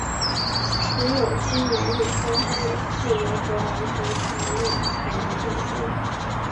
只有经男女双方的自由和完全的同意,才能缔婚。